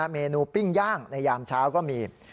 เมนูปิ้งย่างในยามเช้าก็มี